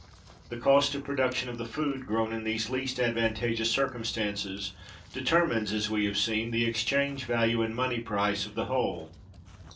The cost of production of the food grown in these least advantageous circumstances determines, as we have seen, the exchange value and money price of the whole.